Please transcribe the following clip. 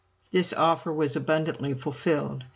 This offer was abundantly fulfilled.